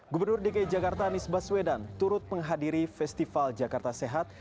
gubernur dki jakarta anies baswedan turut menghadiri festival jakarta sehat